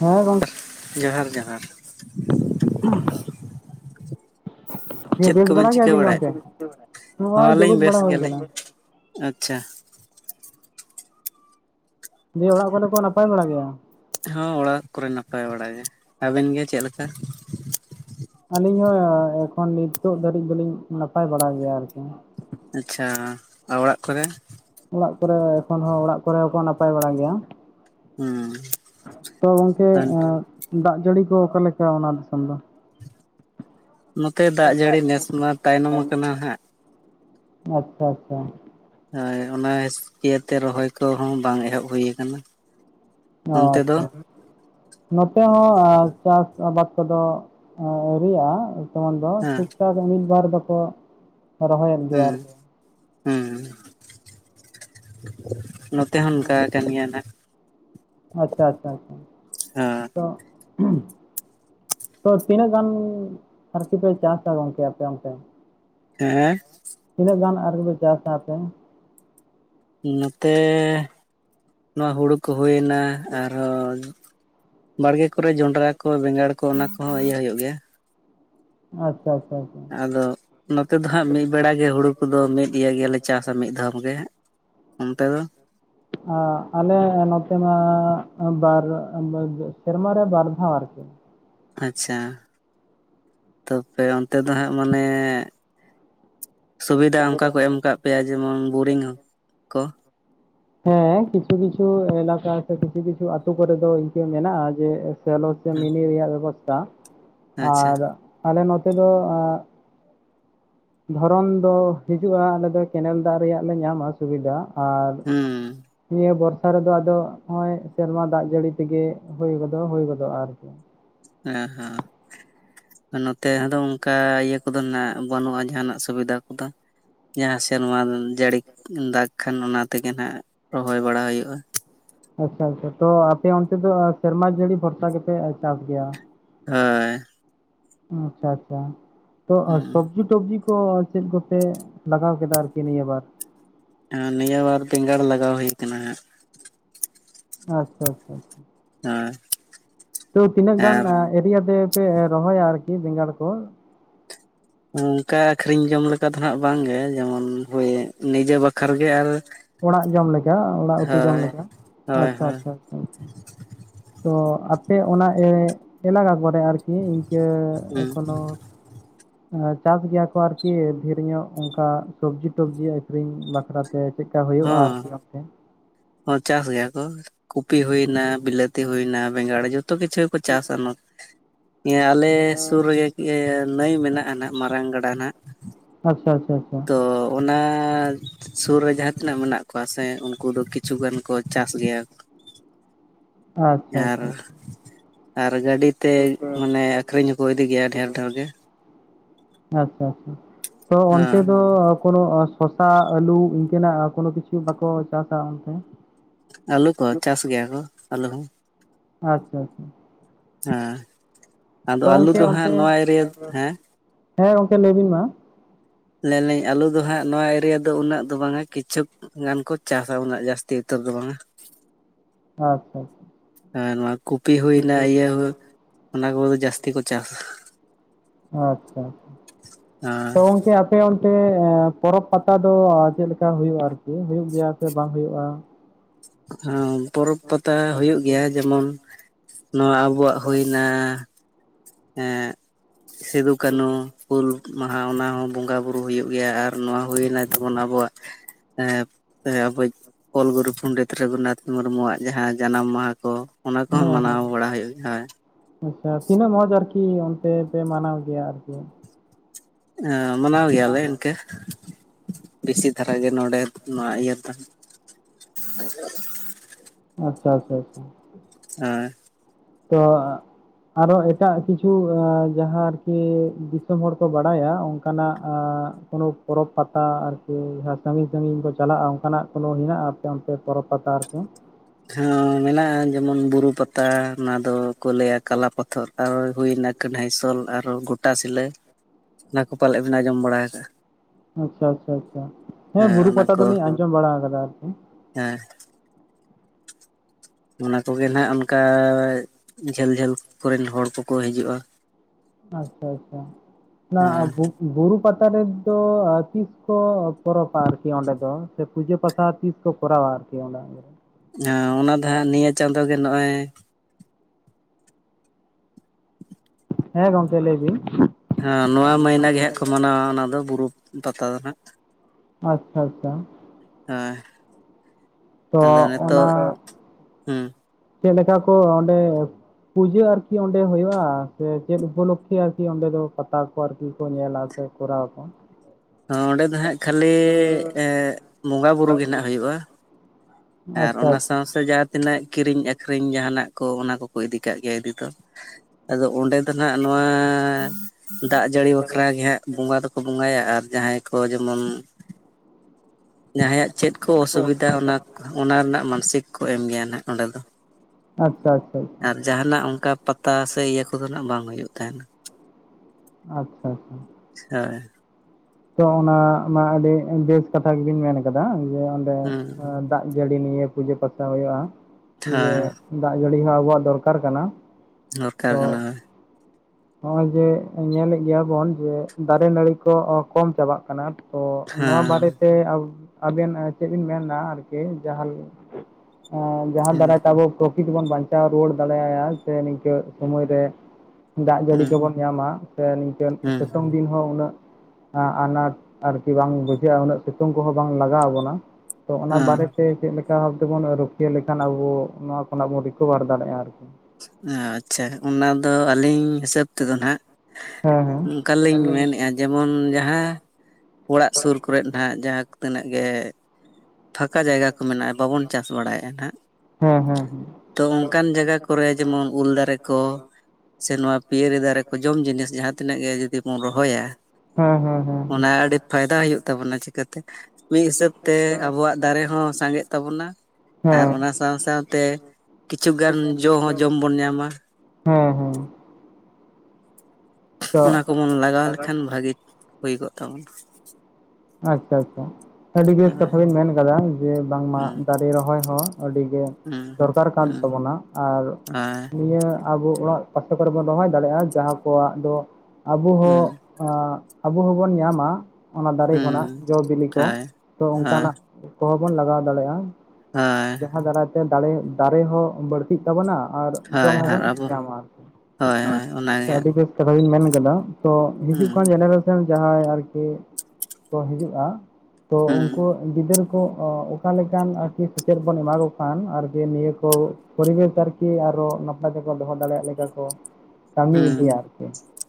ᱦᱮᱸ ᱜᱚᱝᱠᱮ ᱟᱨ ᱡᱚᱦᱟᱨ ᱡᱚᱦᱟᱨ᱾ [inaudible] ᱫᱤᱭᱮ ᱪᱮᱫ ᱵᱮᱥ ᱠᱚᱵᱮᱱ ᱵᱟᱲᱟ ᱪᱤᱠᱟᱹ ᱜᱮᱭᱟᱵᱤᱱ ᱵᱟᱲᱟᱭᱮᱫ ᱜᱚᱝᱠᱮ? ᱦᱚᱸ ᱱᱚᱜᱼᱚᱭ ᱟᱹᱞᱤᱧ ᱫᱩᱲᱩᱵ ᱵᱮᱥ ᱵᱟᱲᱟ ᱦᱩᱭ ᱜᱮᱭᱟᱞᱤᱧ ᱟᱠᱟᱱᱟ᱾ ᱟᱪᱷᱟ ᱫᱤᱭᱮ ᱚᱲᱟᱜ ᱠᱚᱨᱮ ᱠᱚ ᱱᱟᱯᱟᱭ ᱵᱟᱲᱟ ᱜᱮᱭᱟ ᱦᱚᱸ ᱚᱲᱟᱜ ᱠᱚᱨᱮ ᱱᱟᱯᱟᱭ ᱵᱟᱲᱟ ᱜᱮ ᱟᱵᱮᱱ ᱜᱮ ᱪᱮᱫ ᱞᱮᱠᱟ ᱟᱹᱞᱤᱧ ᱦᱚᱸ ᱮᱠᱷᱚᱱ ᱱᱤᱛᱚᱜ ᱫᱷᱟᱹᱨᱤᱡ ᱫᱚᱞᱤᱧ ᱱᱟᱯᱟᱭ ᱵᱟᱲᱟ ᱜᱮᱭᱟ ᱟᱨᱠᱤ ᱟᱪᱷᱟ ᱚᱲᱟᱜ ᱠᱚᱨᱮ ᱚᱲᱟᱜ ᱠᱚᱨᱮ ᱮᱠᱷᱚᱱ ᱦᱚᱸ ᱚᱲᱟᱜ ᱠᱚᱨᱮ ᱦᱚᱸᱠᱚ ᱱᱟᱯᱟᱭ ᱵᱟᱲᱟ ᱜᱮᱭᱟ ᱦᱩᱸ ᱛᱚ ᱜᱚᱝᱠᱮ ᱫᱟᱜ ᱡᱟᱹᱲᱤ ᱠᱚ ᱚᱠᱟᱞᱮᱠᱟ ᱚᱱᱟ ᱫᱤᱥᱚᱢ ᱫᱚ ᱱᱚᱛᱮ ᱫᱟᱜ ᱡᱟᱹᱲᱤ ᱱᱮᱥᱢᱟ ᱛᱟᱭᱱᱚᱢ ᱟᱠᱟᱱᱟ ᱦᱟᱸᱜ ᱟᱪᱪᱷᱟ ᱟᱪᱪᱷᱟ ᱦᱳᱭ ᱚᱱᱟ ᱤᱭᱟᱹᱛᱮ ᱨᱚᱦᱚᱭ ᱠᱚᱦᱚᱸ ᱵᱟᱝ ᱮᱦᱚᱵ ᱦᱩᱭᱩ ᱟᱠᱟᱱᱟ ᱚ ᱚᱱᱛᱮ ᱫᱚ ᱟᱪᱷᱟ ᱱᱚᱛᱮ ᱦᱚᱸ ᱪᱟᱥ ᱟᱵᱟᱫ ᱠᱚᱫᱚ ᱟᱣᱨᱤᱟᱜᱼᱟ ᱡᱮᱢᱚᱱ ᱫᱚ ᱦᱮᱸ ᱴᱩᱠ ᱴᱟᱠ ᱢᱤᱫᱵᱟᱨ ᱫᱚᱠᱚ ᱨᱚᱦᱚᱭᱮᱫ ᱜᱮᱭᱟ ᱦᱩᱸ ᱟᱨᱠᱤ ᱦᱩᱸ ᱱᱛᱮᱦᱚᱸ ᱚᱱᱠᱟ ᱠᱟᱱ ᱜᱮᱭᱟ ᱱᱟᱜ ᱟᱪᱪᱷᱟ ᱟᱪᱪᱷᱟ ᱟᱪᱪᱷᱟ ᱛᱚ ᱛᱚ ᱛᱤᱱᱟᱹᱜ ᱜᱟᱱ ᱯᱷᱟᱹᱨᱪᱤ ᱯᱮ ᱪᱟᱥᱟ ᱜᱚᱝᱠᱮ ᱟᱯᱮ ᱚᱱᱛᱮ ᱦᱮᱸ ᱛᱤᱱᱟᱹᱜ ᱜᱟᱱ ᱟᱨᱠᱤᱯᱮ ᱪᱟᱥᱟ ᱯᱮ ᱱᱚᱛᱮ ᱱᱚᱣᱟ ᱦᱩᱲᱩ ᱠᱚ ᱦᱩᱭᱱᱟ ᱟᱨᱦᱚᱸ ᱵᱟᱲᱜᱮ ᱠᱚᱨᱮ ᱡᱚᱱᱰᱨᱟ ᱠᱚ ᱵᱮᱸᱜᱟᱲ ᱠᱚ ᱚᱱᱟ ᱠᱚᱦᱚᱸ ᱤᱭᱟᱹ ᱦᱩᱭᱩᱜ ᱜᱮᱭᱟ ᱟᱪᱪᱷᱟ ᱟᱪᱷᱟ ᱟᱪᱪᱷᱟ ᱟᱫᱚ ᱱᱚᱛᱮ ᱫᱚ ᱦᱟᱸᱜ ᱢᱤᱫ ᱵᱮᱲᱮ ᱦᱩᱲᱩ ᱠᱚᱫᱚ ᱢᱤᱫ ᱤᱭᱟᱹ ᱜᱮᱞᱮ ᱪᱟᱥᱟ ᱢᱤᱫ ᱫᱷᱚᱢ ᱜᱮ ᱦᱟᱸᱜ ᱩᱱᱛᱮ ᱫᱚ ᱟᱞᱮ ᱱᱚᱛᱮ ᱢᱟ ᱵᱟᱨ ᱥᱮᱨᱢᱟᱨ ᱨᱮ ᱵᱟᱨ ᱫᱷᱟᱣ ᱟᱨᱠᱤ ᱟᱪᱷᱟ ᱛᱟᱨᱯᱮ ᱚᱱᱛᱮ ᱫᱚ ᱦᱟᱸᱜ ᱢᱟᱱᱮ ᱥᱩᱵᱤᱫᱷᱟ ᱚᱱᱠᱟ ᱠᱚ ᱮᱢ ᱟᱠᱟᱫ ᱯᱮᱭᱟ ᱡᱮᱢᱚᱱ ᱵᱳᱨᱤᱝ ᱠᱚ ᱦᱮᱸ ᱠᱤᱪᱷᱩ ᱠᱤᱪᱷᱩ ᱮᱞᱟᱠᱟ ᱥᱮ ᱠᱤᱪᱷᱩ ᱠᱤᱪᱷᱩ ᱟᱹᱛᱩ ᱠᱚᱨᱮ ᱫᱚ ᱤᱱᱠᱟᱹ ᱢᱮᱱᱟᱜᱼᱟ ᱡᱮ ᱥᱮᱞᱚ ᱥᱮ ᱢᱤᱱᱤ ᱨᱮᱭᱟᱜ ᱵᱮᱵᱚᱥᱛᱷᱟ ᱟᱪᱪᱷᱟ ᱟᱨ ᱟᱞᱮ ᱱᱚᱛᱮ ᱫᱚ ᱫᱷᱚᱨᱚᱱ ᱫᱚ ᱦᱤᱡᱩᱜᱼᱟ ᱟᱞᱮ ᱫᱚ ᱠᱮᱱᱮᱞ ᱫᱟᱜ ᱨᱮᱭᱟᱜ ᱞᱮ ᱧᱟᱢᱟ ᱥᱩᱵᱤᱫᱷᱟ ᱟᱨ ᱦᱩᱸ ᱱᱤᱭᱟᱹ ᱵᱚᱨᱥᱟ ᱨᱮᱫᱚ ᱟᱫᱚ ᱱᱚᱜᱚᱭ ᱥᱮᱨᱢᱟ ᱫᱟᱜ ᱡᱟᱹᱲᱤ ᱛᱮᱜᱮ ᱦᱩᱭ ᱜᱚᱫᱚᱜ ᱦᱩᱭ ᱜᱚᱫᱚᱜᱼᱟ ᱟᱨᱠᱤ ᱚ ᱦᱚ ᱱᱚᱛᱮ ᱦᱚᱸᱫᱚ ᱚᱱᱠᱟ ᱤᱭᱟᱹ ᱠᱚᱫᱚ ᱦᱟᱜ ᱵᱟᱹᱱᱩᱜᱼᱟ ᱡᱟᱦᱟᱱᱟᱜ ᱥᱩᱵᱤᱫᱷᱟ ᱠᱚᱫᱚ ᱡᱟᱦᱟᱸ ᱥᱮ ᱱᱚᱣᱟ ᱡᱟᱹᱲᱤ ᱫᱟᱜᱽ ᱠᱷᱟᱱ ᱚᱱᱟ ᱛᱮᱜᱮ ᱦᱟᱜ ᱨᱚᱦᱚᱭ ᱵᱟᱲᱟ ᱦᱩᱭᱩᱜᱼᱟ ᱟᱪᱷᱟ ᱟᱪᱷᱟ ᱛᱚ ᱟᱯᱮ ᱚᱱᱛᱮ ᱫᱚ ᱥᱮᱨᱢᱟ ᱡᱟᱹᱲᱤ ᱵᱷᱚᱨᱥᱟ ᱜᱮᱯᱮ ᱪᱟᱥ ᱜᱮᱭᱟ ᱦᱳᱭ ᱟᱪᱷᱟ ᱟᱪᱷᱟ ᱛᱚ ᱥᱚᱵᱡᱤ ᱥᱚᱵᱡᱤ ᱠᱚ ᱪᱮᱫ ᱠᱚᱯᱮ ᱞᱟᱜᱟᱣ ᱠᱮᱫᱟ ᱟᱨᱠᱤ ᱱᱤᱭᱟᱹ ᱵᱟᱨ ᱱᱤᱭᱟᱹ ᱵᱟᱨ ᱵᱮᱸᱜᱟᱲ ᱞᱟᱜᱟᱣ ᱦᱩᱭ ᱟᱠᱟᱱᱟᱱᱟ ᱦᱟᱜ ᱟᱪᱷᱟ ᱟᱪᱷᱟ ᱟᱪᱷᱟ ᱦᱳᱭ ᱛᱚ ᱛᱤᱱᱟᱹᱜ ᱜᱟᱱ ᱟᱨ ᱮᱨᱤᱭᱟ ᱛᱮᱯᱮ ᱨᱚᱦᱚᱭᱟ ᱟᱨᱠᱤ ᱵᱮᱸᱜᱟᱲ ᱠᱚ ᱱᱚᱝᱠᱟ ᱟᱹᱠᱷᱨᱤᱧ ᱡᱚᱝ ᱞᱮᱠᱟ ᱫᱚ ᱦᱟᱜ ᱵᱟᱝᱜᱮ ᱡᱮᱢᱚᱱ ᱦᱳᱭ ᱱᱤᱡᱮ ᱵᱟᱠᱷᱨᱟ ᱜᱮ ᱟᱨ ᱚᱲᱟᱜ ᱡᱚᱢ ᱞᱮᱠᱟ ᱚᱲᱟᱜ ᱩᱛᱩ ᱡᱚᱢ ᱦᱳᱭ ᱞᱮᱠᱟ ᱦᱳᱭ ᱟᱪᱷᱟ ᱦᱳᱭ ᱟᱪᱷᱟ ᱛᱚ ᱟᱯᱮ ᱚᱱᱟ ᱮ ᱮᱞᱟᱠᱟ ᱠᱚᱨᱮ ᱟᱨᱠᱤ ᱤᱱᱠᱟᱹ ᱦᱩᱸ ᱮᱠᱷᱚᱱᱳ ᱪᱟᱥ ᱜᱮᱭᱟ ᱠᱚ ᱟᱨᱠᱤ ᱰᱷᱮᱨᱧᱚᱜ ᱚᱱᱠᱟ ᱥᱚᱵᱡᱤ ᱴᱚᱵᱡᱤ ᱟᱠᱷᱨᱤᱧ ᱵᱟᱠᱷᱨᱟᱛᱮ ᱪᱮᱫᱠᱟ ᱦᱩᱭᱩᱜᱼᱟ ᱟᱨᱠᱤ ᱚᱱᱛᱮ ᱦᱚᱸ ᱪᱟᱥ ᱜᱮᱭᱟ ᱠᱚ ᱠᱩᱵᱤ ᱦᱩᱭᱮᱱᱟ ᱵᱤᱞᱟᱹᱛᱤ ᱦᱩᱭᱮᱱᱟ ᱵᱮᱸᱜᱟᱲ ᱡᱚᱛᱚ ᱠᱤᱪᱷᱩ ᱜᱮᱠᱚ ᱪᱟᱥᱟ ᱦᱮ ᱟᱞᱮ ᱥᱩᱨ ᱨᱮᱜᱮ ᱱᱟᱹᱭ ᱢᱮᱱᱟᱜᱼᱟ ᱱᱟᱜ ᱢᱟᱨᱟᱝ ᱜᱟᱰᱟ ᱱᱟᱜ ᱟᱪᱷᱟ ᱟᱪᱷᱟ ᱟᱪᱷᱟ ᱛᱚ ᱚᱱᱟ ᱥᱩᱨ ᱨᱮ ᱡᱟᱦᱟᱸ ᱛᱤᱱᱟᱹᱜ ᱢᱮᱱᱟᱜ ᱠᱚᱣᱟ ᱥᱮ ᱩᱱᱠᱩ ᱫᱚ ᱠᱤᱪᱷᱩᱜᱟᱱ ᱠᱚ ᱪᱟᱥ ᱜᱮᱭᱟ ᱟᱪᱪᱷᱟ ᱟᱪᱪᱷᱟ ᱟᱨ ᱟᱪᱷᱟ ᱟᱨ ᱜᱟᱹᱰᱤ ᱛᱮ ᱢᱟᱱᱮ ᱟᱠᱷᱨᱤᱧ ᱦᱚᱸᱠᱚ ᱤᱫᱤ ᱜᱮᱭᱟ ᱰᱷᱮᱨ ᱰᱷᱮᱨ ᱜᱮ ᱟᱪᱷᱟ ᱟᱪᱷᱟ ᱛᱚ ᱚᱱᱛᱮ ᱦᱮᱸ ᱫᱚ ᱠᱳᱱᱳ ᱥᱚᱥᱟ ᱟᱹᱞᱩ ᱤᱱᱠᱟᱹᱱᱟᱜ ᱠᱳᱱᱳ ᱠᱤᱪᱷᱩ ᱵᱟᱠᱚ ᱪᱟᱥᱟ ᱚᱱᱛᱮ ᱟᱹᱞᱩ ᱠᱚ ᱪᱟᱥ ᱜᱮᱭᱟ ᱠᱚ ᱟᱹᱞᱩ ᱦᱚᱸ ᱟᱪᱷᱟ ᱟᱪᱷᱟ ᱦᱮᱸ ᱟᱫᱚ ᱛᱚ ᱟᱞᱩ ᱜᱚᱢᱠᱮ ᱫᱚ ᱦᱟᱸᱜ ᱚᱱᱛᱮ ᱱᱚᱣᱟ ᱮᱨᱤᱭᱟ ᱦᱮᱸ ᱦᱮᱸ ᱜᱚᱢᱠᱮ ᱞᱟᱹᱭ ᱵᱤᱱ ᱢᱟ ᱞᱟᱹᱭᱟᱞᱤᱧ ᱟᱹᱞᱩ ᱫᱚ ᱦᱟᱸᱜ ᱱᱚᱣᱟ ᱮᱨᱤᱭᱟ ᱫᱚ ᱩᱱᱟᱹᱜ ᱫᱚ ᱵᱟᱝᱟ ᱠᱤᱪᱷᱩᱠ- ᱜᱟᱱ ᱠᱚ ᱪᱟᱥᱟ ᱩᱱᱟᱹᱜ ᱡᱟᱹᱥᱛᱤ ᱩᱛᱟᱹᱨ ᱫᱚ ᱵᱟᱝᱟ ᱟᱪᱷᱟ ᱦᱮᱸ ᱱᱚᱣᱟ ᱠᱚᱯᱤ ᱦᱩᱭᱱᱟ ᱤᱭᱟᱹ ᱚᱱᱟ ᱠᱚᱫᱚ ᱡᱟᱹᱥᱛᱤ ᱠᱚ ᱪᱟᱥᱟ ᱟᱪᱪᱷᱟ ᱟᱪᱷᱟ ᱛᱚ ᱟᱨ ᱟ- -ᱯᱮ ᱚᱱᱛᱮ ᱯᱚᱨᱚᱵᱽ ᱯᱟᱛᱟ ᱫᱚ ᱪᱮᱫᱠᱟ ᱦᱩᱭᱩᱜᱼᱟ ᱟᱨᱠᱤ ᱦᱩᱭᱩᱜ ᱜᱮᱭᱟ ᱥᱮ ᱵᱟᱝ ᱦᱩᱭᱩᱜᱼᱟ ᱦᱚᱸ ᱯᱚᱨᱚᱵᱽ ᱯᱟᱛᱟ ᱦᱩᱭᱩᱜ ᱜᱮᱭᱟ ᱡᱮᱢᱚᱱ ᱱᱚᱣᱟ ᱟᱵᱚ ᱟᱵᱚᱣᱟᱜ ᱦᱩᱭᱱᱟ ᱮᱸᱜ ᱥᱤᱫᱩ ᱠᱟᱹᱱᱩ ᱦᱩᱞ ᱢᱟᱦᱟ ᱚᱱᱟ ᱦᱚᱸ ᱵᱚᱸᱜᱟᱼ ᱵᱩᱨᱩ ᱦᱩᱭᱩᱜ ᱜᱮᱭᱟ ᱟᱨ ᱱᱚᱣᱟ ᱦᱩᱭᱱᱟ ᱛᱟᱵᱚᱱ ᱟᱵᱚᱣᱟᱜ ᱮ ᱟᱵᱚᱭᱤᱡ [inaudible] ᱚᱞ ᱜᱩᱨᱩ ᱯᱚᱱᱰᱤᱛ ᱨᱟᱹᱜᱷᱩᱱᱟᱛᱷ ᱢᱩᱨᱢᱩᱣᱟᱜ ᱡᱟᱦᱟᱸ ᱡᱟᱱᱟᱢ ᱢᱟᱦᱟ ᱠᱚ ᱚᱱᱟ ᱠᱚᱦᱚᱸ ᱦᱮᱸ ᱢᱟᱱᱟᱣ ᱦᱮᱸ ᱵᱟᱲᱟ ᱦᱩᱭᱩᱜ ᱜᱮᱭᱟ ᱦᱮᱸ ᱟᱪᱪᱷᱟ ᱛᱤᱱᱟᱹᱜ ᱢᱚᱸᱡᱽ ᱟᱨᱠᱤ ᱚᱱᱛᱮ ᱯᱮ ᱢᱟᱱᱟᱣ ᱜᱮᱭᱟ ᱟᱨᱠᱤ ᱮᱸ ᱢᱟᱱᱟᱣ ᱜᱮᱭᱟᱞᱮ ᱤᱱᱠᱟᱹ ᱵᱮᱥᱤ ᱫᱷᱟᱨᱟ ᱜᱮ ᱱᱚᱰᱮ ᱱᱚᱣᱟ ᱤᱭᱟᱹ ᱫᱚ [inaudible] ᱟᱪᱪᱷᱟ ᱟᱪᱪᱷᱟ ᱟᱪᱷᱟ ᱦᱚᱭ ᱛᱚ ᱟᱨᱦᱚ ᱮᱴᱟᱜ ᱠᱤᱪᱷᱩ ᱡᱟᱦᱟᱸ ᱟᱨᱠᱤ ᱫᱤᱥᱚᱢ ᱦᱚᱲ ᱠᱚ ᱵᱟᱲᱟᱭᱟ ᱚᱱᱠᱟᱱᱟᱜ ᱠᱳᱱᱳ ᱯᱚᱨᱚᱵᱽ ᱯᱟᱛᱟ ᱟᱨᱠᱤ ᱡᱟᱦᱟᱸ ᱥᱟᱹᱜᱤᱧ ᱥᱟᱹᱜᱤᱧ ᱠᱚ ᱪᱟᱞᱟᱜᱼᱟ ᱚᱱᱠᱟᱱᱟᱜ ᱠᱳᱱᱳ ᱦᱮᱱᱟᱜᱼᱟ ᱟᱯᱮ ᱚᱱᱛᱮ ᱯᱚᱨᱚᱵᱽ ᱯᱟᱛᱟ ᱟᱨᱠᱤ ᱦᱚᱸ ᱢᱮᱱᱟᱜᱼᱟ ᱡᱮᱢᱚᱱ ᱵᱩᱨᱩ ᱯᱟᱛᱟ ᱚᱱᱟ ᱫᱚᱠᱚ ᱞᱟᱹᱭᱟ ᱠᱟᱞᱟᱯᱚᱛᱚᱨ ᱟᱨ ᱦᱩᱭᱱᱟ ᱠᱟᱹᱦᱟᱭ ᱥᱳᱞ ᱟᱨ ᱜᱚᱴᱟ ᱥᱤᱞᱟᱹ ᱚᱱᱟ ᱠᱚ ᱯᱟᱞᱮᱫ ᱵᱤᱱ ᱟ ᱸᱡᱚᱢ ᱵᱟᱲᱟ ᱟᱠᱟᱜᱼᱟ ᱟᱪᱪᱷᱟ ᱟᱪᱪᱷᱟ ᱟᱪᱪᱷᱟ ᱦᱮᱸ ᱵᱩᱨᱩ ᱚᱱᱟ ᱯᱟᱛᱟ ᱠᱚ ᱫᱚᱞᱤᱧ ᱟᱸᱡᱚᱢ ᱵᱟᱲᱟ ᱟᱠᱟᱫᱟ ᱟᱨᱠᱤ ᱦᱮᱸ ᱚᱱᱟ ᱠᱚᱜᱮ ᱱᱟᱜ ᱚᱱᱠᱟ ᱡᱷᱟᱹᱞ ᱡᱷᱟᱹᱞ ᱠᱚᱨᱮᱱ ᱦᱚᱲ ᱠᱚᱠᱚ ᱦᱤᱡᱩᱜᱼᱟ ᱟᱪᱷᱟ ᱟᱪᱷᱟ ᱚᱱᱟ ᱦᱮᱸ ᱟᱵᱩ- ᱵᱩᱨᱩ ᱯᱟᱛᱟ ᱨᱮᱫᱚ ᱛᱤᱥ ᱠᱚ ᱯᱚᱨᱚᱵᱟ ᱟᱨᱠᱤ ᱚᱸᱰᱮ ᱫᱚ ᱥᱮ ᱯᱩᱡᱟᱹ ᱯᱟᱥᱟ ᱛᱤᱥ ᱠᱚ ᱠᱚᱨᱟᱣᱟ ᱟᱨᱠᱤ ᱚᱱᱟ ᱦ ᱚᱱᱟ ᱫᱚ ᱦᱟᱸᱜ ᱱᱤᱭᱟᱹ ᱪᱟᱸᱫᱳ ᱜᱮ ᱱᱚᱜᱼᱚᱭ ᱦᱮᱸ ᱜᱚᱢᱠᱮ ᱞᱟᱹᱭ ᱵᱤᱱ ᱦᱮᱸ ᱱᱚᱣᱟ ᱢᱟᱹᱭᱱᱟᱹ ᱜᱮ ᱦᱟᱸᱜ ᱠᱚ ᱢᱟᱱᱟᱣᱟ ᱚᱱᱟ ᱫᱚ ᱵᱩᱨᱩ ᱯᱟᱛᱟ ᱫᱚ ᱦᱟᱸᱜ᱾ ᱟᱪᱪᱷᱟ ᱟᱪᱪᱷᱟ ᱦᱳᱭ ᱛᱚ ᱟᱫᱚ ᱱᱤᱛᱳ ᱚᱱᱟ ᱦᱮᱸ ᱪᱮᱫ ᱞᱮᱠᱟ ᱠᱚ ᱚᱰᱮ ᱯᱩᱡᱟᱹ ᱟᱨᱠᱤ ᱚᱸᱰᱮ ᱦᱩᱭᱳᱼᱟ ᱥᱮ ᱪᱮᱫ ᱩᱯᱚᱞᱚᱠᱠᱷᱮ ᱟᱨᱠᱤ ᱚᱸᱰᱮ ᱫᱚ ᱯᱟᱛᱟ ᱠᱤ ᱠᱚ ᱧᱮᱞᱟ ᱥᱮ ᱠᱚᱨᱟᱣ ᱚᱸᱰᱮ ᱫᱚ ᱦᱟᱸᱜ ᱠᱷᱟᱹᱞᱤ ᱵᱚᱸᱜᱟ ᱵᱩᱨᱩ ᱜᱮ ᱱᱟᱜ ᱦᱩᱭᱩᱜᱼᱟ᱾ ᱟᱨ ᱟᱪᱪᱷᱟ ᱚᱱᱟ ᱟᱪᱪᱷᱟ ᱥᱟᱶᱻᱥᱟᱶ ᱡᱟᱛ ᱮᱱᱟᱹᱜ ᱠᱤᱨᱤᱧ ᱟᱠᱷᱨᱤᱧ ᱡᱟᱦᱟᱱᱟᱜ ᱠᱚ ᱚᱱᱟ ᱠᱚᱻᱠᱚ ᱤᱫᱤ ᱠᱟᱜ ᱜᱮᱭᱟ ᱤᱫᱤ ᱫᱚᱻ ᱟᱫᱚ ᱚᱸᱰᱮ ᱫᱚᱱ ᱦᱟᱸᱜ ᱱᱚᱣᱟ ᱫᱟᱜ ᱡᱟᱹᱲᱤ ᱵᱟᱠᱷᱨᱟ ᱜᱮ ᱦᱟᱸᱜ ᱵᱚᱸᱜᱟ ᱫᱚᱠᱚ ᱵᱚᱸᱜᱟᱭᱟ ᱟᱨ ᱡᱟᱦᱟᱸᱭ ᱠᱚ ᱡᱮᱢᱚᱱᱻ ᱡᱟᱦᱟᱸᱭᱟᱜ ᱪᱮᱫ ᱠᱚ ᱚᱥᱩᱵᱤᱫᱷᱟ ᱚᱱᱟ ᱚᱱᱟ ᱨᱮᱱᱟᱜ ᱢᱟᱱᱥᱤᱠ ᱠᱚ ᱮᱢ ᱜᱮᱭᱟ ᱱᱟᱦᱟᱜ ᱚᱸᱰᱮ ᱫᱚᱻ ᱟᱪᱷᱟ ᱻᱟᱪᱷᱟ ᱻᱟᱪᱷᱟ ᱡᱟᱦᱟᱱᱟᱜ ᱚᱱᱠᱟ ᱯᱟᱛᱟ ᱥᱮ ᱤᱭᱟᱹ ᱠᱚᱫᱚ ᱱᱟᱜ ᱵᱟᱝ ᱦᱩᱭᱩᱜ ᱛᱟᱦᱮᱱᱟ ᱾ ᱟᱪᱷᱟᱻᱟᱪᱷᱟ ᱦᱮᱸ ᱛᱚ ᱚᱱᱟ ᱢᱟ ᱟᱹᱰᱤ ᱵᱮᱥ ᱠᱟᱛᱷᱟ ᱜᱮᱵᱤᱱ ᱢᱮᱱ ᱟᱠᱟᱫᱟ ᱡᱮ ᱚᱸᱰᱮ ᱦᱩᱸ ᱫᱟᱜ ᱡᱟᱹᱲᱤ ᱱᱤᱭᱮ ᱯᱩᱡᱟᱹ ᱯᱟᱥᱟᱣ ᱦᱩᱭᱩᱜᱼᱟ ᱡᱮ ᱦᱳᱭ ᱫᱟᱜ ᱡᱟᱹᱲᱤ ᱦᱚᱸ ᱟᱵᱚᱣᱟᱜ ᱫᱚᱨᱠᱟᱨ ᱠᱟᱱᱟ ᱾ ᱫᱚᱨᱠᱟᱨ ᱠᱟᱱᱟ ᱦᱳᱭᱻ ᱱᱚᱜᱻᱚᱭ ᱡᱮ ᱧᱮᱸᱞ ᱮᱫ ᱜᱮᱭᱟ ᱵᱚᱱ ᱡᱮ ᱫᱟᱨᱮ ᱱᱟᱹᱲᱤ ᱠᱚ ᱠᱚᱢ ᱪᱟᱵᱟᱜ ᱠᱟᱱᱟ ᱾ ᱛᱚ ᱱᱚᱣᱟ ᱵᱟᱨᱮ ᱦᱮᱸ ᱛᱮ ᱟᱵᱮᱱ ᱪᱮᱫ ᱵᱮᱤᱱ ᱢᱮᱱᱟ ᱟᱨ ᱠᱤ ᱡᱟᱦᱟᱸᱱ ᱚ ᱡᱟᱦᱟᱸ ᱦᱮᱸ ᱫᱟᱨᱟᱭ ᱛᱟᱵᱚᱻ ᱚᱠᱤᱞ ᱵᱚᱱ ᱵᱟᱧᱪᱟᱣ ᱨᱩᱣᱟᱹᱲ ᱫᱟᱲᱮᱭᱟᱭᱟ ᱥᱮ ᱱᱤᱝᱠᱟᱹ ᱥᱚᱢᱚᱭ ᱨᱮ ᱫᱟᱜ ᱡᱟᱹᱲᱤ ᱦᱮᱸ ᱠᱚᱵᱚᱱ ᱧᱟᱢᱟ ᱥᱮ ᱱᱤᱝᱴᱟᱹᱱ ᱦᱮᱸ ᱥᱤᱛᱩᱝ ᱫᱤᱱ ᱦᱚᱸ ᱩᱱᱟᱹᱜ ᱟᱱᱟᱴ ᱟᱨᱠᱤ ᱵᱟᱝ ᱵᱩᱡᱷᱟᱹᱜᱼᱟ ᱩᱱᱟᱹᱜ ᱥᱤᱛᱩᱝ ᱠᱚᱦᱚᱸ ᱵᱟᱝ ᱞᱟᱜᱟᱣ ᱟᱵᱚᱱᱟ ᱛᱚ ᱚᱱᱟ ᱵᱟᱨᱮ ᱦᱮᱸ ᱥᱮ ᱪᱮᱫ ᱞᱮᱠᱟ ᱵᱷᱟᱵ ᱛᱮᱵᱚᱱ ᱟᱨ ᱪᱮᱫ ᱞᱮᱠᱟ ᱨᱩᱠᱷᱤᱭᱟᱹᱟᱹ ᱞᱮᱠᱷᱟᱱ ᱟᱵᱚ ᱱᱚᱣᱟ ᱠᱷᱚᱱᱟᱜ ᱵᱚᱱ ᱨᱤᱠᱳᱵᱷᱟᱨ ᱫᱟᱲᱮᱭᱟᱜᱼᱟ ᱟᱨᱠᱤ ᱟᱪᱷᱟ ᱚᱱᱟ ᱫᱚ ᱟᱹᱞᱤᱧ ᱦᱤᱥᱟᱹᱵ ᱛᱮᱫᱚ ᱟᱸᱜ ᱦᱮᱸ ᱦᱮᱸ ᱚᱱᱠᱟᱞᱤᱧ ᱢᱮᱱᱮᱫᱼᱟ ᱡᱮᱢᱚᱱ ᱡᱟᱦᱟᱸ ᱚᱲᱟᱜ ᱥᱩᱨ ᱠᱚᱨᱮᱫ ᱱᱟᱦᱟᱜ ᱡᱟᱦᱟᱸᱛᱤᱱᱟᱹᱜ ᱜᱮᱻ ᱯᱷᱟᱸᱠᱟ ᱡᱟᱭᱜᱟ ᱠᱚ ᱢᱮᱱᱟᱜᱼᱟ ᱵᱟᱵᱚᱱ ᱪᱟᱥ ᱵᱟᱲᱟᱭᱮᱫᱼᱟ ᱦᱟᱸᱜ ᱦᱮᱸ ᱦᱮᱸ ᱦᱮᱸ ᱛᱚ ᱚᱱᱠᱟᱱ ᱡᱟᱭᱜᱟ ᱠᱚᱨᱮ ᱡᱮᱢᱚᱱ ᱩᱞ ᱫᱟᱨᱮ ᱠᱚᱻ ᱥᱮ ᱱᱚᱣᱟ ᱯᱤᱭᱟᱹᱨᱤ ᱫᱟᱨᱮ ᱠᱚ ᱡᱚᱢ ᱡᱤᱱᱤᱥ ᱡᱟᱦᱟᱸ ᱛᱤᱱᱟᱹᱜ ᱜᱮ ᱡᱩᱫᱤ ᱵᱚᱱ ᱨᱚᱻ ᱻᱦᱚᱭᱟ ᱦᱮᱸ ᱦᱮᱸ ᱦᱮᱸ ᱦᱮᱸ ᱚᱱᱟ ᱟᱹᱰᱤ ᱯᱷᱟᱭᱫᱟ ᱦᱩᱭᱩᱜ ᱛᱟᱵᱚᱱᱟ ᱪᱤᱠᱟᱹᱛᱮ ᱢᱤᱫ ᱦᱤᱥᱟᱹᱵ ᱛᱮᱻ ᱟᱵᱚᱣᱟᱸᱜ ᱫᱟᱨᱮ ᱦᱚᱸ ᱥᱟᱸᱜᱮᱜ ᱛᱟᱵᱚᱱᱟ ᱾ ᱟᱨ ᱦᱮᱸ ᱚᱱᱟ ᱥᱟᱶᱻᱥᱟᱶ ᱛᱮ ᱠᱤᱪᱷᱩᱜᱟᱱ ᱡᱚ ᱦᱚᱸ ᱡᱚᱢ ᱵᱚᱱ ᱧᱟᱢᱼᱟ ᱦᱚᱸᱦᱚᱸ ᱛᱚ ᱚᱱᱟ ᱠᱚᱵᱚᱱ ᱞᱟᱜᱟᱣ ᱞᱮᱠᱷᱟᱱ ᱵᱷᱟᱹᱜᱤ ᱦᱩᱭ ᱠᱚᱜ ᱛᱟᱵᱚᱱᱟ ᱾ ᱟᱪᱷᱟᱻᱟᱪᱷᱟ ᱟᱹᱰᱤ ᱵᱮᱥ ᱦᱳᱭ ᱠᱟᱛᱷᱟ ᱵᱮᱤᱱ ᱢᱮᱱ ᱠᱟᱫᱟ ᱡᱮ ᱵᱟᱝᱢᱟ ᱦᱩᱸ ᱫᱟᱨᱮ ᱨᱚᱦᱚᱭ ᱦᱚᱸ ᱟᱹᱰᱤᱜᱮᱻ ᱦᱩᱸ ᱫᱚᱨᱠᱟᱨ ᱠᱟᱱ ᱦᱩᱸ ᱛᱟᱵᱚᱱᱟ ᱟᱨ ᱦᱳᱭ ᱱᱤᱭᱟᱹ ᱟᱵᱚ ᱚᱲᱟᱜ ᱯᱟᱥᱮ ᱠᱚᱨᱮ ᱵᱚᱱ ᱨᱚᱦᱚᱭ ᱫᱟᱲᱮᱭᱟᱜᱼᱟ ᱡᱟᱦᱟᱸ ᱠᱚᱣᱟᱜ ᱫᱚ ᱟᱵᱚ ᱦᱚᱸᱻ ᱦᱩᱸ ᱟᱵᱚ ᱦᱚᱸᱵᱚᱱ ᱧᱟᱢᱟ ᱚᱱᱟ ᱫᱟᱨᱮ ᱠᱷᱚᱱᱟᱜ ᱦᱩᱸ ᱡᱚᱻᱵᱤᱞᱤ ᱠᱚ ᱦᱳᱭ ᱛᱚ ᱦᱳᱭ ᱚᱱᱠᱟᱱᱟᱜ ᱠᱚᱦᱚᱸ ᱵᱚᱱ ᱞᱟᱜᱟᱣ ᱫᱟᱲᱮᱭᱟᱜᱼᱟ ᱦᱳᱭ ᱡᱟᱦᱟᱸ ᱫᱟᱨᱟᱭᱛᱮ ᱫᱟᱲᱮ ᱫᱟᱨᱮ ᱦᱚᱸ ᱵᱟᱹᱲᱛᱤ ᱥᱤᱜ ᱛᱟᱵᱚᱱᱟ ᱟᱨ ᱡᱚᱢ ᱦᱳᱭ ᱦᱚᱸᱵᱚᱱ ᱟᱨ ᱟᱵᱚ ᱧᱟᱢᱟ ᱦᱳᱭ ᱦᱳᱭ ᱚᱱᱟᱜᱮ ᱟᱨᱠᱤ ᱦᱟᱸᱜ ᱟᱹᱰᱤ ᱠᱟᱛᱷᱟ ᱫᱚᱧ ᱢᱮᱱ ᱟᱠᱟᱫᱟ ᱛᱚ ᱦᱤᱡᱩᱜ ᱦᱩᱸ ᱠᱟᱱ ᱡᱮᱱᱟᱨᱮᱥᱚᱱ ᱡᱟᱦᱟᱸᱭ ᱟᱨᱠᱤ ᱠᱚ ᱦᱤᱡᱩᱜᱼᱟ ᱛᱚ ᱦᱩᱸ ᱩᱱᱠᱩ ᱜᱤᱫᱟᱹᱨ ᱠᱩ ᱚᱠᱟᱞᱮᱠᱟᱱ ᱟᱨᱠᱤ ᱥᱮᱪᱮᱫ ᱵᱚᱱ ᱮᱢᱟ ᱠᱚ ᱠᱷᱟᱱ ᱟᱨᱠᱤ ᱱᱤᱭᱟᱹ ᱠᱚᱻ ᱯᱚᱨᱤᱵᱮᱥ ᱟᱨᱠᱤ ᱟᱨᱚ ᱱᱟᱯᱟᱭ ᱛᱮᱠᱚ ᱫᱚᱦᱚ ᱫᱟᱲᱮᱭᱟᱜ ᱞᱮᱠᱟ ᱠᱚᱻ ᱠᱟᱹᱢᱤ ᱦᱩᱸ ᱤᱫᱤᱭᱟ ᱟᱨ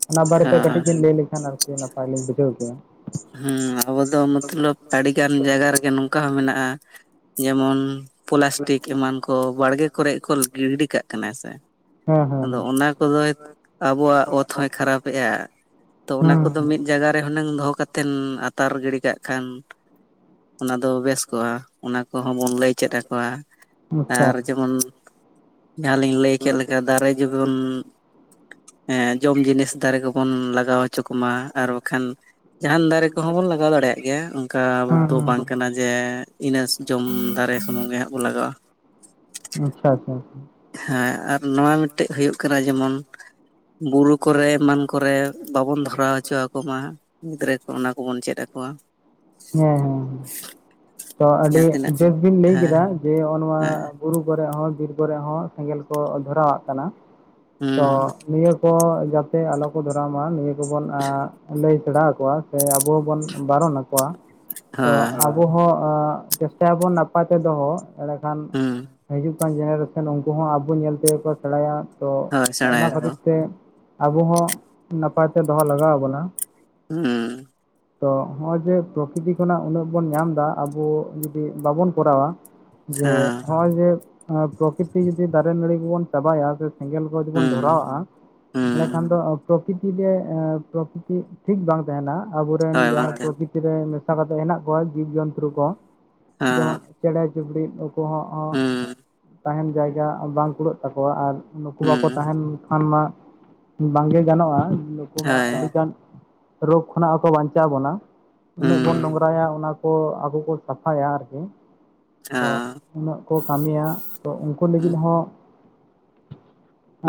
ᱚᱱᱟ ᱵᱟᱨᱮ ᱛᱮ ᱠᱟᱹᱴᱤᱡ ᱦᱳᱭ ᱵᱤᱱ ᱞᱟᱹᱭ ᱞᱮᱠᱷᱟᱱ ᱟᱨᱠᱤ ᱱᱟᱯᱟᱭ ᱞᱤᱧ ᱵᱩᱡᱷᱟᱹᱣ ᱠᱮᱭᱟ ᱾ ᱦᱮᱸ ᱟᱵᱚ ᱫᱚ ᱢᱚᱛᱞᱚᱵ ᱟᱹᱰᱤᱜᱟᱱ ᱡᱟᱭᱜᱟ ᱨᱮᱜᱮ ᱱᱚᱝᱠᱟ ᱦᱚᱸ ᱢᱮᱱᱟᱜᱼᱟ ᱡᱮᱢᱚᱱ ᱯᱞᱟᱥᱴᱤᱠ ᱮᱢᱟᱱ ᱠᱚ ᱵᱟᱲᱜᱮ ᱠᱚᱨᱮ ᱠᱚ ᱜᱤᱰᱤ ᱠᱟᱜ ᱠᱟᱱᱟ ᱥᱮᱻ ᱦᱮᱸ ᱦᱮᱸ ᱟᱫᱚ ᱚᱱᱟ ᱠᱚᱫᱚᱭ ᱟᱵᱚᱣᱟᱜ ᱚᱛ ᱦᱚᱭ ᱠᱷᱟᱨᱟᱯ ᱮᱭᱟᱭ ᱾ ᱛᱚ ᱚᱱᱟ ᱦᱮᱸ ᱠᱚᱫᱚ ᱦᱮᱸ ᱢᱤᱫ ᱡᱟᱭᱜᱟ ᱨᱮ ᱦᱩᱱᱟᱹᱝ ᱫᱚᱦᱚ ᱠᱟᱛᱮ ᱛᱮ ᱟᱛᱟᱨ ᱜᱤᱰᱤ ᱠᱟᱜ ᱠᱷᱟᱱ ᱚᱱᱟ ᱫᱚ ᱵᱮᱥ ᱠᱚᱜᱼᱟ ᱚᱱᱟ ᱠᱚᱦᱚᱸ ᱵᱚᱱ ᱞᱟᱹᱭ ᱪᱮᱫ ᱟᱠᱚᱣᱟ ᱟᱪᱪᱷᱟ ᱟᱨ ᱡᱮᱢᱚᱱ ᱡᱟᱦᱟᱸ ᱞᱤᱧᱸ ᱞᱟᱹᱭ ᱠᱮᱫ ᱞᱮᱠᱟ ᱫᱟᱨᱮ ᱡᱩᱜᱟᱱ ᱦᱮᱸ ᱡᱚᱢ ᱡᱤᱱᱤᱥ ᱫᱟᱨᱮ ᱠᱚᱵᱚᱱ ᱞᱟᱜᱟᱣ ᱦᱚᱪᱚ ᱠᱚᱢᱟ ᱟᱨ ᱵᱟᱸᱠᱷᱟᱱ ᱡᱟᱦᱟᱱ ᱫᱟᱨᱮ ᱠᱚᱦᱚᱸ ᱵᱚᱱ ᱞᱟᱜᱟᱣ ᱫᱟᱲᱮᱭᱟᱜ ᱜᱮᱭᱟ ᱚᱱᱠᱟ ᱦᱮᱸ ᱫᱚ ᱵᱟᱝ ᱦᱮᱸ ᱠᱟᱱᱟ ᱡᱮ ᱤᱱᱟᱹ [unintelligible] ᱡᱚᱢ ᱫᱟᱨᱮ ᱥᱩᱱᱩᱝ ᱜᱮ ᱦᱟᱸᱜ ᱵᱚᱱ ᱞᱟᱜᱟᱼᱟ ᱟᱪᱪᱷᱟ ᱟᱪᱪᱷᱟ ᱦᱮᱸ ᱟᱨ ᱱᱚᱣᱟ ᱢᱤᱫᱴᱮᱡ ᱦᱩᱭᱩᱜ ᱠᱟᱱᱟ ᱡᱮᱢᱚᱱ ᱵᱩᱨᱩ ᱠᱚᱨᱮ ᱮᱢᱟᱱ ᱠᱚᱨᱮ ᱵᱟᱵᱚᱱ ᱫᱷᱚᱨᱟᱣ ᱦᱚᱪᱚ ᱟᱠᱚ ᱢᱟ ᱜᱤᱫᱽᱨᱟᱹ ᱠᱚ ᱚᱱᱟ ᱠᱚᱵᱚᱱ ᱪᱮᱫ ᱟᱠᱚᱣᱟ ᱦᱮᱸ ᱦᱮᱸ ᱛᱚ ᱟᱹᱰᱤ ᱡᱟᱦᱟᱸ ᱛᱤᱱᱟᱹᱜ ᱵᱮᱥ ᱵᱤᱱ ᱞᱟᱹᱭ ᱦᱮᱸ ᱠᱮᱫᱟ ᱡᱮ ᱦᱚᱜᱼᱚ ᱱᱚᱣᱟ ᱦᱮᱸ ᱵᱩᱨᱩ ᱠᱚᱨᱮ ᱦᱚᱸ ᱵᱤᱨ ᱠᱚᱨᱮ ᱦᱚᱸ ᱥᱮᱸᱜᱮᱞ ᱠᱚ ᱫᱷᱚᱨᱟᱣᱟᱜ ᱠᱟᱱᱟ ᱛᱚ ᱦᱩᱸ ᱱᱤᱭᱟᱹ ᱠᱚ ᱡᱟᱛᱮ ᱟᱞᱚ ᱠᱚ ᱫᱷᱚᱨᱟᱣ ᱢᱟ ᱱᱤᱭᱟᱹ ᱠᱚᱵᱚᱱ ᱞᱟᱹᱭ ᱥᱮᱬᱟ ᱟᱠᱚᱣᱟ ᱥᱮ ᱟᱵᱚ ᱦᱚᱵᱚᱱ ᱵᱟᱨᱚᱱ ᱟᱠᱚᱣᱟ ᱛᱚ ᱦᱳᱭ ᱟᱵᱚ ᱦᱚᱸ ᱪᱮᱥᱴᱟᱭᱟᱵᱚᱱ ᱱᱟᱯᱟᱭ ᱛᱮ ᱫᱚᱦᱚ ᱮᱲᱮᱠᱷᱟᱱ ᱦᱩᱸ ᱦᱤᱡᱩᱜ ᱠᱟᱱ ᱡᱮᱱᱟᱨᱮᱥᱮᱱ ᱩᱱᱠᱩ ᱦᱚᱸ ᱟᱵᱚ ᱧᱮᱞ ᱛᱮᱜᱮ ᱠᱚ ᱥᱮᱬᱟᱭᱟ ᱛᱚ ᱦᱳᱭ ᱚᱱᱟ ᱥᱮᱬᱟᱭᱟᱠᱚ ᱠᱷᱟᱹᱛᱤᱨ ᱛᱮ ᱟᱵᱚ ᱦᱚᱸ ᱱᱟᱯᱟᱭ ᱛᱮ ᱫᱚᱦᱚ ᱞᱟᱜᱟᱣ ᱟᱵᱚᱱᱟ ᱩᱸ ᱛᱚ ᱦᱚᱜ ᱚᱭ ᱡᱮ ᱯᱨᱚᱠᱤᱛᱤ ᱠᱷᱚᱱᱟᱜ ᱩᱱᱟᱹᱜ ᱵᱚᱱ ᱧᱟᱢ ᱮᱫᱟ ᱟᱵᱚ ᱡᱩᱫᱤ ᱵᱟᱵᱚᱱ ᱠᱚᱨᱟᱣᱟ ᱡᱮ ᱦᱮᱸ ᱦᱚᱜᱼᱚᱭ ᱡᱮ ᱟᱸ ᱯᱨᱚᱠᱤᱛᱤ ᱡᱩᱫᱤ ᱫᱟᱨᱮ ᱱᱟᱹᱲᱤ ᱠᱚᱵᱚᱱ ᱪᱟᱵᱟᱭᱟ ᱥᱮᱸᱜᱮᱞ ᱡᱚᱫᱤ ᱵᱚᱱ ᱦᱩᱸ ᱫᱷᱚᱨᱟᱣᱜᱼᱟ ᱛᱟᱦᱞᱮ ᱦᱩᱸ ᱠᱷᱟᱱ ᱫᱚ ᱯᱨᱚᱠᱤᱛᱤ ᱜᱮ ᱮᱸ ᱯᱨᱚᱠᱤᱛᱤ ᱴᱷᱤᱠ ᱵᱟᱝ ᱛᱟᱦᱮᱱᱟ ᱟᱵᱚᱨᱮᱱ ᱦᱳᱭ ᱡᱟᱦᱟᱸ ᱵᱟᱝ ᱛᱮ ᱯᱨᱚᱠᱤᱛᱤᱨ ᱨᱮ ᱢᱮᱥᱟ ᱠᱟᱛᱮᱜ ᱦᱮᱱᱟᱜ ᱠᱚᱣᱟ ᱡᱤᱵ ᱡᱚᱱᱛᱨᱩ ᱠᱚ ᱡᱮᱢᱚᱱ ᱦᱮᱸ ᱪᱮᱬᱮ ᱪᱩᱯᱲᱤᱫ ᱱᱩᱠᱩ ᱦᱚᱸ ᱦᱚᱸ ᱦᱩᱸ ᱛᱟᱦᱮᱱ ᱡᱟᱭᱜᱟ ᱵᱟᱝ ᱠᱩᱲᱟᱹᱜ ᱛᱟᱠᱚᱣᱟ ᱟᱨ ᱱᱩᱠᱩ ᱦᱩᱸ ᱵᱟᱠᱚ ᱛᱟᱦᱮᱱ ᱠᱷᱟᱱ ᱢᱟ ᱵᱟᱝ ᱜᱮ ᱜᱟᱱᱚᱜᱼᱟ ᱱᱩᱠᱩ ᱢᱟ ᱦᱳᱭ ᱟᱹᱰᱤᱜᱟᱱ ᱨᱳᱜᱽ ᱠᱷᱚᱱᱟᱜ ᱦᱚᱸᱠᱚ ᱵᱟᱧᱪᱟᱣ ᱵᱚᱱᱟ ᱩᱱᱟᱹᱜ ᱵᱚᱱ ᱦᱩᱸ ᱱᱚᱝᱨᱟᱭᱟ ᱚᱱᱟ ᱠᱚ ᱟᱹᱵᱚ ᱠᱚ ᱥᱟᱯᱷᱟᱭᱟ ᱟᱨᱠᱤ ᱚ, ᱛᱚ ᱩᱱᱟᱹᱜ ᱠᱚ ᱠᱟᱹᱢᱤᱭᱟ ᱛᱚ ᱩᱱᱠᱩ ᱞᱟᱹᱜᱤᱫ ᱦᱩᱸ, ᱦᱚᱸ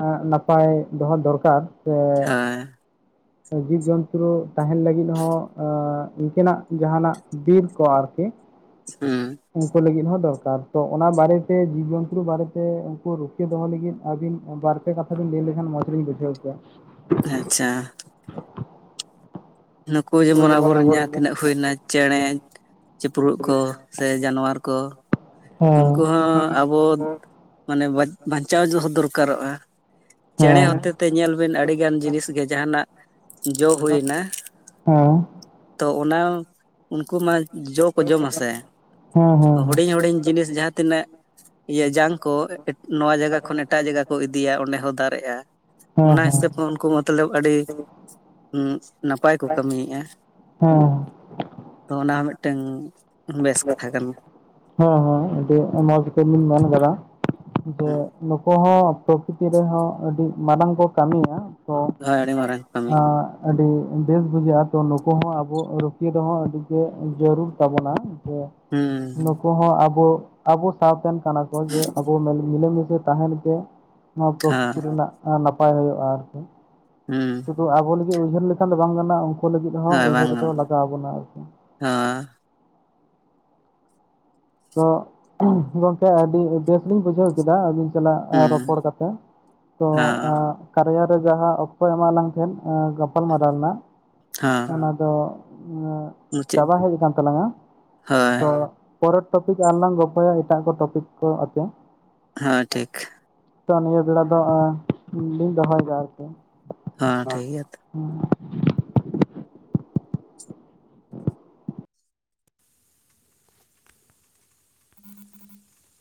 ᱮᱸ ᱱᱟᱯᱟᱭ ᱫᱚᱦᱚ ᱫᱚᱨᱠᱟᱨ ᱥᱮ ᱦᱳᱭ [unintelligible] ᱡᱤᱵ ᱡᱚᱱ [unintelligible] ᱛᱟᱦᱮᱱ ᱞᱟᱹᱜᱤᱫ ᱦᱚᱸ ᱟᱸ ᱤᱱᱠᱟᱹᱱᱟᱜ ᱡᱟᱦᱟᱱᱟᱜ ᱵᱤᱨ ᱠᱚ ᱟᱨᱠᱤ ᱦᱩ ᱩᱱᱠᱩ ᱞᱟᱹᱜᱤᱫ ᱦᱚᱸ ᱫᱚᱨᱠᱟᱨ ᱛᱚ ᱚᱱᱟ ᱵᱟᱨᱮᱛᱮ ᱡᱤᱵᱽ ᱡᱚᱱᱛᱨᱩ ᱵᱟᱨᱮᱛᱮ ᱩᱱᱠᱩ ᱨᱩᱠᱷᱤᱭᱟᱹ ᱫᱚᱦᱚ ᱞᱟᱹᱜᱤᱫ ᱟᱹᱵᱤᱱ ᱵᱟᱨ [unintelligible] ᱠᱟᱛᱷᱟ ᱵᱮᱱ ᱞᱟᱹᱭ ᱞᱮᱠᱷᱟᱱ ᱢᱚᱡᱽ ᱞᱤᱧ ᱵᱩᱡᱟᱹᱣ ᱠᱮᱭᱟ ᱟᱪᱪᱷᱟ ᱱᱩᱠᱩ ᱡᱮᱢᱚᱱ ᱟᱵᱚᱨᱮᱱ ᱡᱟᱦᱟᱸ ᱛᱤᱱᱟᱹᱜ ᱦᱩᱭᱱᱟ ᱪᱮᱸᱬᱮ ᱪᱤᱯᱨᱩᱫ ᱠᱚ ᱥᱮ ᱡᱟᱱᱣᱟᱨ ᱠᱚ ᱦᱮᱸ ᱩᱱᱠᱩ ᱦᱚᱸ ᱟᱵᱚ ᱢᱟᱱᱮ ᱵᱟᱡ ᱵᱟᱧᱪᱟᱣ ᱫᱚᱦᱚ ᱫᱚᱨᱠᱟᱨᱚᱜᱼᱟ ᱪᱮᱸᱬᱮ ᱦᱮᱸ ᱦᱚᱛᱮ ᱛᱮ ᱧᱮᱞ ᱵᱤᱱ ᱟᱹᱰᱤᱜᱟᱱ ᱡᱤᱱᱤᱥ ᱜᱮ ᱡᱟᱦᱟᱱᱟᱜ ᱡᱚ ᱦᱩᱭᱱᱟ ᱚᱸ ᱛᱚ ᱚᱱᱟ ᱩᱱᱠᱩ ᱢᱟ ᱡᱚ ᱠᱚ ᱡᱚᱢᱟ ᱥᱮ ᱦᱮᱸ ᱦᱮᱸ ᱦᱩᱰᱤᱧ ᱦᱩᱰᱤᱧ ᱡᱤᱱᱤᱥ ᱡᱟᱦᱟᱸ ᱛᱤᱱᱟᱹᱜ ᱤᱭᱟᱹ ᱡᱟᱝ ᱠᱚ ᱱᱚᱣᱟ ᱡᱟᱭᱜᱟ ᱠᱷᱚᱱ ᱮᱴᱟᱜ ᱡᱟᱭᱜᱟ ᱠᱚ ᱤᱫᱤᱭᱟ ᱚᱸᱰᱮ ᱦᱚᱸ ᱫᱟᱨᱮᱜᱼᱟ ᱦᱮᱸ ᱚᱱᱟ ᱦᱮᱸ ᱦᱤᱥᱟᱹᱵ ᱦᱚᱸ ᱩᱱᱠᱩ ᱢᱚᱛᱞᱚᱵ ᱟᱹᱰᱤ ᱩᱸ ᱱᱟᱯᱟᱭ ᱠᱚ ᱠᱟᱹᱢᱤ ᱮᱜᱼᱟ ᱦᱮᱸ ᱛᱚ ᱚᱱᱟ ᱦᱚᱸ ᱢᱤᱫᱴᱮᱝ ᱵᱮᱥ ᱠᱟᱛᱷᱟ ᱠᱟᱱᱟ ᱦᱮᱸ ᱦᱮᱸ ᱟᱹᱰᱤ ᱢᱚᱧᱡᱽ ᱵᱮᱱ ᱢᱮᱱ ᱟᱠᱟᱫᱟ ᱡᱮ ᱦᱩᱸ ᱱᱩᱠᱩ ᱦᱚᱸ ᱯᱨᱚᱠᱤᱛᱤ ᱨᱮᱦᱚᱸ ᱟᱹᱰᱤ ᱢᱟᱨᱟᱝ ᱠᱚ ᱠᱟᱹᱢᱤᱭᱮᱼᱟ ᱚᱸ ᱦᱳᱭ ᱟᱹᱰᱤ ᱢᱟᱨᱟᱝ [unintelligible] ᱠᱟᱹᱢᱤ ᱟᱸ ᱟᱹᱰᱤ ᱵᱮᱥ ᱵᱩᱡᱷᱟᱹᱜᱼᱟ ᱛᱚ ᱱᱩᱠᱩ ᱦᱚᱸ ᱟᱵᱚ ᱨᱩᱠᱷᱤᱭᱟᱹ ᱫᱚᱦᱚᱸ ᱟᱹᱰᱤ ᱜᱮ ᱡᱟᱹᱨᱩᱲ ᱛᱟᱵᱚᱱᱟ ᱦᱩᱸ [unintelligible] ᱱᱩᱠᱩ ᱦᱚᱸ ᱟᱵᱚ ᱟᱵᱚ ᱥᱟᱶᱛᱮᱱ ᱠᱟᱱᱟ ᱠᱚ ᱡᱮ ᱟᱵᱚ ᱢᱤᱞᱮᱢᱤᱥᱮ᱾ ᱛᱟᱦᱮᱱ ᱜᱮ ᱱᱚᱣᱟ ᱦᱳᱭ ᱯᱨᱚᱠᱤᱛᱤ ᱨᱮᱱᱟᱜ ᱱᱟᱯᱟᱭ ᱦᱩᱭᱩᱜᱼᱟ ᱟᱨᱠᱤ ᱦᱩᱸ ᱛᱚ ᱟᱵᱚ ᱞᱟᱹᱜᱤᱫ ᱩᱭᱦᱟᱹᱨ ᱞᱮᱠᱷᱟᱱ ᱫᱚ ᱵᱟᱝ ᱜᱟᱱᱚᱜ ᱩᱱᱠᱩ ᱞᱟᱹᱜᱤᱫ ᱦᱚᱸ ᱩᱭᱦᱟᱹᱨ ᱨᱮᱫᱚ ᱞᱟᱜᱟᱣ ᱵᱚᱱᱟ ᱟᱨᱠᱤ ᱦᱮᱸ ᱛᱚ ᱜᱚᱢᱠᱮ ᱟᱹᱰᱤ ᱵᱮᱥ ᱞᱤᱧ ᱵᱩᱡᱷᱟᱹᱣ ᱠᱮᱫᱟ ᱟᱹᱵᱤᱱ ᱪᱟᱞᱟᱜ ᱦᱩᱸ ᱨᱚᱯᱚᱲ ᱠᱟᱛᱮ ᱛᱚ ᱦᱚᱸ ᱠᱟᱨᱭᱟ ᱨᱮ ᱡᱟᱦᱟᱸ ᱚᱠᱛᱚ ᱮᱢᱟᱜ ᱞᱟᱝ ᱛᱟᱦᱮᱫ ᱜᱟᱯᱟᱞ ᱢᱟᱨᱟᱣ ᱨᱮᱱᱟᱜ ᱦᱮᱸ ᱚᱱᱟ ᱫᱚ ᱪᱟᱵᱟ ᱦᱮᱡ ᱟᱠᱟᱱ ᱛᱟᱞᱟᱝᱼᱟ ᱦᱳᱭ ᱯᱚᱨᱮᱨ ᱴᱚᱯᱤᱠ ᱟᱨᱚ ᱞᱟᱝ ᱜᱚᱯᱚᱭᱟ ᱮᱴᱟᱜ ᱠᱚ ᱴᱚᱯᱤᱠ ᱠᱚ ᱟᱛᱮ ᱦᱮᱸ ᱴᱷᱤᱠ ᱛᱚ ᱱᱤᱭᱟᱹ ᱵᱮᱲᱟ ᱫᱚ ᱞᱤᱧ ᱫᱚᱦᱚᱭᱮᱫᱟ ᱟᱨᱠᱤ ᱦᱮᱸ ᱴᱷᱤᱠ ᱜᱮᱭᱟ ᱛᱚ ᱦᱩᱸ [unintelligible] [unintelligible]